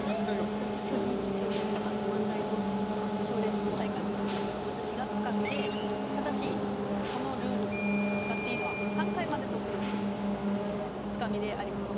昔巨人師匠に漫才の賞レースの大会の時に私がつかみで「ただしこのルール使っていいのは３回までとする！」っていうつかみでありまして。